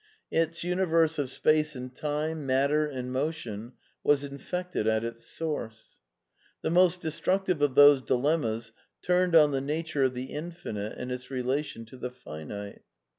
Its universe of space and time, matter and motion, was infected at its source. The most destructive of those dilemmas turned on the nature of the Infinite and its relation to the finite.